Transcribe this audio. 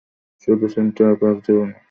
শুধু central park যাওয়ার লোক।